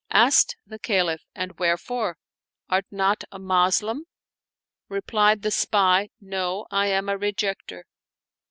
Asked the Caliph, "And wherefor? Art not a Moslem?" Replied the spy, "No! I am a Rejecter."